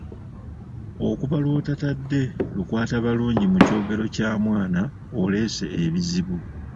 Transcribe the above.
Okuva lw’otatadde lukwatabalungi mu kyogero kya mwana oleese ebizibu.